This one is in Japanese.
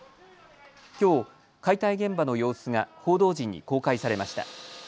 きょう解体現場の様子が報道陣に公開されました。